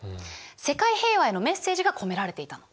世界平和へのメッセージが込められていたの。